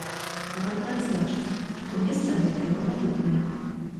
Варта адзначыць, што месца гэтае малалюднае.